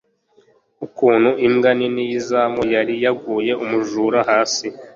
ukuntu imbwa nini yizamu yari yaguye umujura hasi